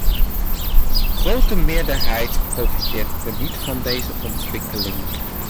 De grote meerderheid profiteert echter niet van deze ontwikkeling.